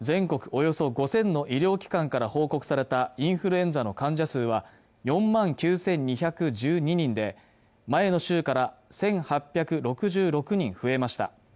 およそ５０００の医療機関から報告されたインフルエンザの患者数は、４万９２１２人で前の週から１８６６人増えました。